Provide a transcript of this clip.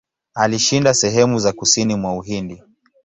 Alishinda sehemu za kusini mwa Uhindi.